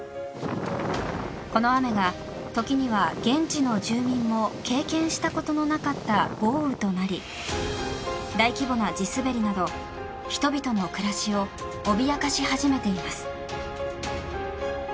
この雨が、時には現地の住民も経験したことのなかった豪雨となり大規模な地滑りなど人々の暮らしを脅かし始めています。